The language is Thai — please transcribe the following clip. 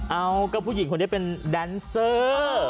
เอาก็ผู้หญิงคนนี้เป็นแดนเซอร์